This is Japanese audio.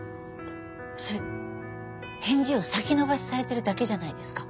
それ返事を先延ばしされてるだけじゃないですか？